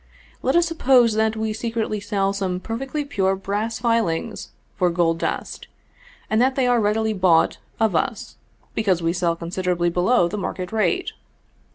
Let us suppose that we secretly sell some perfectly pure brass filings for gold dust, and that they are readily bought of us, because we sell considerably below the market rate.